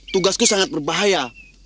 tugasku sangat berbahaya